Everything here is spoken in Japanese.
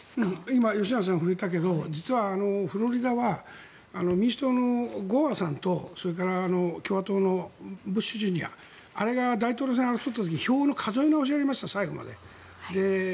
今、吉永さんが触れたけど実はフロリダは民主党のゴアさんとそれから共和党のブッシュジュニアあれが大統領選を争った時票の数え直しがありました。